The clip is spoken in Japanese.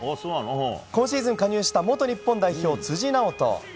今シーズン加入した元日本代表、辻直人。